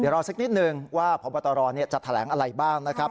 รอสักนิดนึงว่าพบตรจะแถลงอะไรบ้างนะครับ